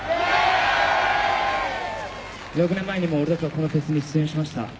６年前にも俺たちはこのフェスに出演しました。